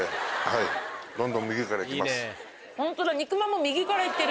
ホントだ。